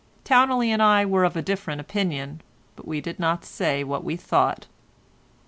Towneley and I were of a different opinion, but we did not say what we thought.